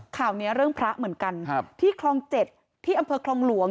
ข่าวนี้เรื่องพระเหมือนกันที่คลองเจ็ดที่อำเภอคลองหลวง